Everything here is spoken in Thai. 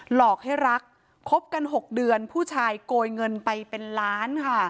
หลอกให้รักคบกัน๖เดือนผู้ชายโกยเงินไปเป็นล้านค่ะ